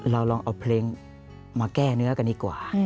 เราลองเอาเพลงมาแก้เนื้อกันดีกว่า